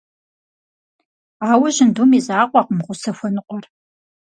Ауэ жьындум и закъуэкъым гъусэ хуэныкъуэр.